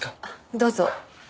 どうぞ。